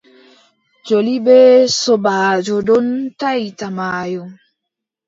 Joli bee sobaajo ɗon tahita maayo.